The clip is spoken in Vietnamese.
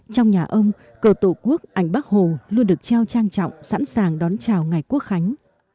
trong nhà ông cờ tổ quốc ảnh bắc hồ luôn được treo trang trọng sẵn sàng đón chào ngày quốc khánh